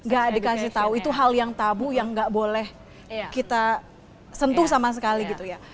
gak dikasih tahu itu hal yang tabu yang nggak boleh kita sentuh sama sekali gitu ya